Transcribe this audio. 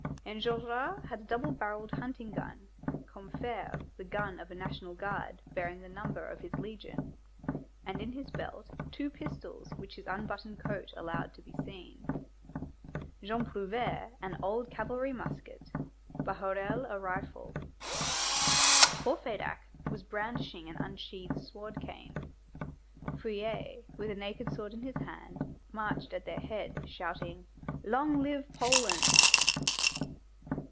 Enjolras had a double barrelled hunting gun, Combeferre the gun of a National Guard bearing the number of his legion, and in his belt, two pistols which his unbuttoned coat allowed to be seen, Jean Prouvaire an old cavalry musket, Bahorel a rifle; Courfeyrac was brandishing an unsheathed sword cane. Feuilly, with a naked sword in his hand, marched at their head shouting: "Long live Poland!"